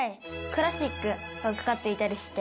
クラシックがかかっていたりして。